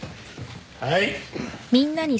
はい。